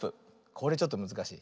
これちょっとむずかしい。